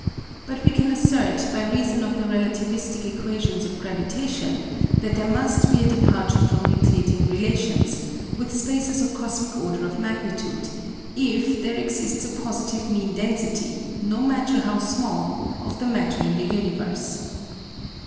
But we can assert by reason of the relativistic equations of gravitation that there must be a departure from Euclidean relations, with spaces of cosmic order of magnitude, if there exists a positive mean density, no matter how small, of the matter in the universe.